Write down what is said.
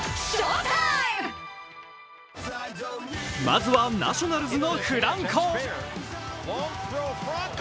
まずはナショナルズのフランコ。